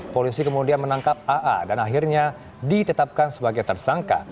polisi kemudian menangkap aa dan akhirnya ditetapkan sebagai tersangka